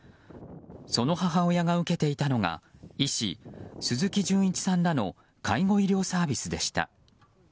その母親が受けていたのが医師・鈴木純一さんらの介護医療サービスでした。